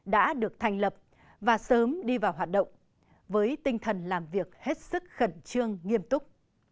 đã được thành lập và sớm đi vào hoạt động với tinh thần làm việc hết sức khẩn trương nghiêm túc